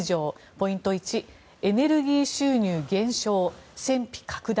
ポイント１、エネルギー収入減少戦費拡大。